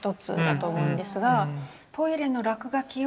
トイレの落書きをじゃ